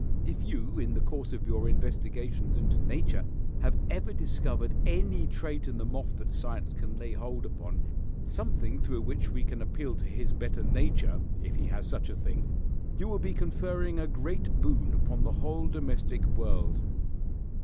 If you in the course of your investigations into nature have ever discovered any trait in the moth that science can lay hold upon, something through which we can appeal to his better nature, if he has such a thing, you will be conferring a great boon upon the whole domestic world.